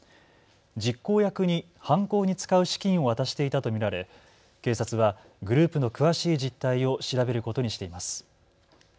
実行役に犯行に使う資金を渡していたと見られ警察はグループの詳しい実態を調べることにしています。